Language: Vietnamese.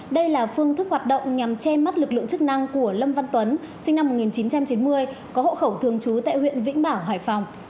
đây là phương thức hoạt động nhằm che mắt lực lượng chức năng của lâm văn tuấn sinh năm một nghìn chín trăm chín mươi có hộ khẩu thường trú tại huyện vĩnh bảo hải phòng